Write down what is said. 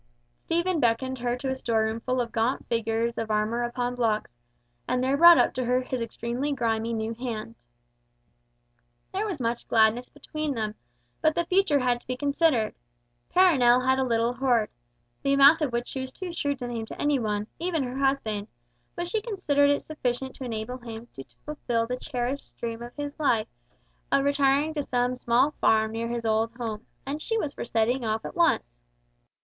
Stephen beckoned her to a store room full of gaunt figures of armour upon blocks, and there brought up to her his extremely grimy new hand! There was much gladness between them, but the future had to be considered. Perronel had a little hoard, the amount of which she was too shrewd to name to any one, even her husband, but she considered it sufficient to enable him to fulfil the cherished scheme of his life, of retiring to some small farm near his old home, and she was for setting off at once.